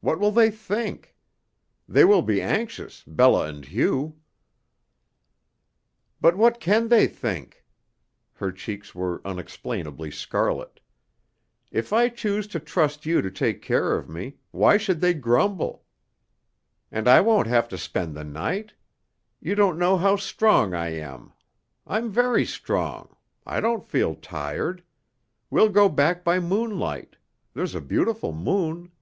What will they think? They will be anxious, Bella and Hugh." "But what can they think?" Her cheeks were unexplainably scarlet. "If I choose to trust you to take care of me, why should they grumble? And I won't have to spend the night. You don't know how strong I am. I'm very strong. I don't feel tired. We'll go back by moonlight. There's a beautiful moon."